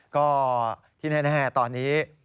ก็ที่แน่ตอนนี้